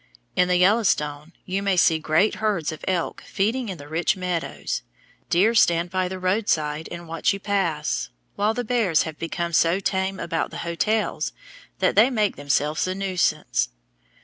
In the Yellowstone you may see great herds of elk feeding in the rich meadows; deer stand by the roadside and watch you pass, while the bears have become so tame about the hotels that they make themselves a nuisance.